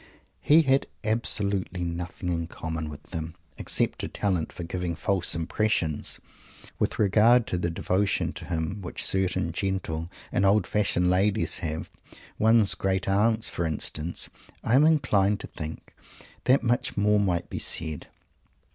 He had absolutely nothing in common with them, except a talent for giving false impressions! With regard to the devotion to him which certain gentle and old fashioned ladies have one's great aunts, for instance I am inclined to think that much more might be said.